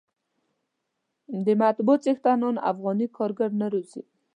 د مطبعو څښتنان افغاني کارګر نه روزي.